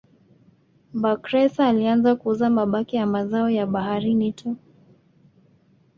Bakhresa alianza kuuza mabaki ya mazao ya baharini tu